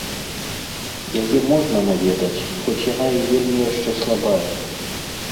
Яе можна наведаць, хоць яна й вельмі яшчэ слабая.